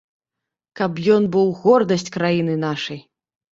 Каб ён быў гордасць краіны нашай.